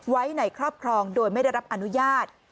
ไว้ในครอบครองโดยไม่ได้รับอนุญาต